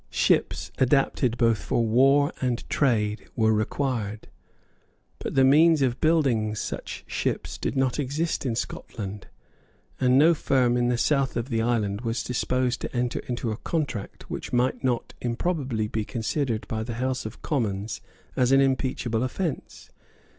Ships adapted both for war and for trade were required; but the means of building such ships did not exist in Scotland; and no firm in the south of the island was disposed to enter into a contract which might not improbably be considered by the House of Commons as an impeachable offence.